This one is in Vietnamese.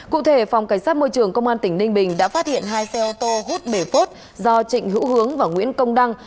cụ thể phòng cảnh sát môi trường công an tỉnh ninh bình đã phát hiện hai xe ô tô hút bề phốt do trịnh hữu hướng và nguyễn công đăng